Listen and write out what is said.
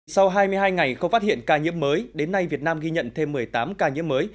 sau hai mươi hai ngày không phát hiện ca nhiễm mới đến nay việt nam ghi nhận thêm một mươi tám ca nhiễm mới